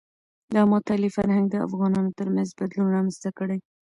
د مطالعې فرهنګ د افغانانو ترمنځ بدلون رامنځته کړي.